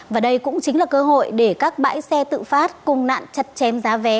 và đây cũng chính là cơ hội để các bãi xe tự phát cùng nạn chặt chém giá vé